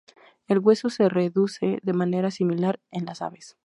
El hueso se reduce de manera similar en las aves.